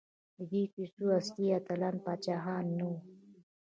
د دې کیسو اصلي اتلان پاچاهان نه وو.